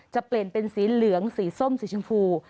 จะเปลี่ยนเป็นสีเหลืองสีส้มสีชมพู